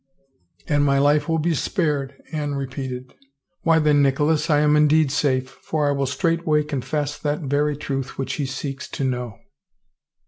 " And my life will be spared," Anne repeated. " Why then, Nicholas, I am indeed safe for I will straightway confess that very truth which he seeks to know.